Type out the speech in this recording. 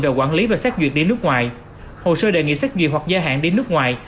về quản lý và xét duyệt đi nước ngoài hồ sơ đề nghị xét duyệt hoặc gia hạn đi nước ngoài